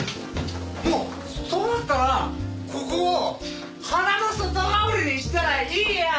もうそうなったらここを花の里代わりにしたらいいやん！